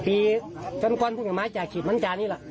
อืมตอนเพลิดอย่ามาจ่ะครีดวันจาดนี่แหละ